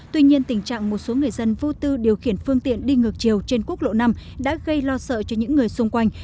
tuy nhiên tình trạng một số người dân vô tư điều khiển phương tiện đi ngược chiều trên quốc lộ năm đã gây lo sợ cho những người xung quanh